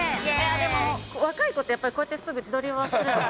でも若い子って、すぐこうやってすぐ自撮りをするの？